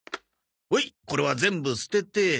ほいこれは全部捨てて。